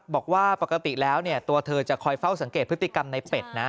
บอกว่าปกติแล้วตัวเธอจะคอยเฝ้าสังเกตพฤติกรรมในเป็ดนะ